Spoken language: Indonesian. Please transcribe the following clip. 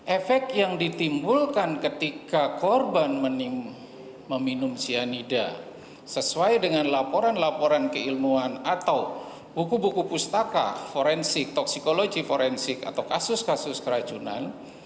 efek yang ditimbulkan ketika korban meminum cyanida sesuai dengan laporan laporan keilmuan atau buku buku pustaka forensik toksikologi forensik atau kasus kasus keracunan